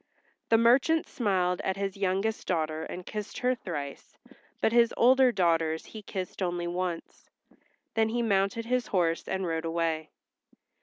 The merchant smiled at his youngest daughter and kissed her thrice, but his older daughters he kissed only once. Then he mounted his horse and rode away.